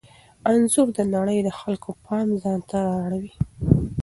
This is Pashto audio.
انځور د نړۍ د خلکو پام ځانته را اړوي.